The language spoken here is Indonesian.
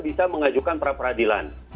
bisa mengajukan pra peradilan